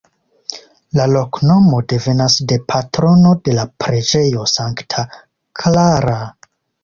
La loknomo devenas de patrono de la preĝejo Sankta Klara.